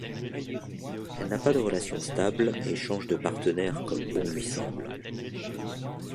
Elle n'a pas de relations stables et change de partenaires comme bon lui semble.